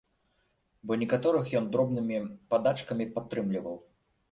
Бо некаторых ён дробнымі падачкамі падтрымліваў.